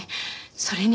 それに。